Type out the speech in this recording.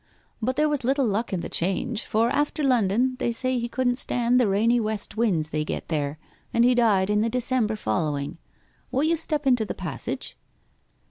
But there was little luck in the change; for after London they say he couldn't stand the rainy west winds they get there, and he died in the December following. Will you step into the passage?